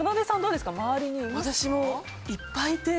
私もいっぱいいて。